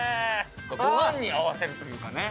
ご飯に合わせるというかね